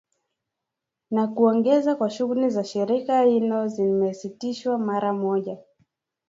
na kuongeza kuwa shughuli za shirika hilo zimesitishwa mara moja